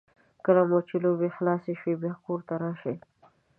کله مو چې لوبې خلاصې شوې بیا کور ته راشئ.